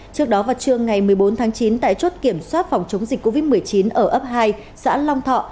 trước đó vào trưa ngày một mươi bốn tháng chín tại chốt kiểm soát phòng chống dịch covid một mươi chín ở ấp hai xã long thọ